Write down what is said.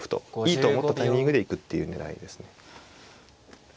いいと思ったタイミングで行くっていう狙いですね。